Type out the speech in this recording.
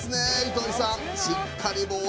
糸井さん